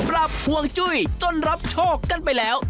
ห่วงจุ้ยจนรับโชคกันไปแล้ว